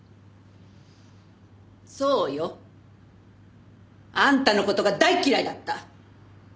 そうよ。あんたの事が大嫌いだった。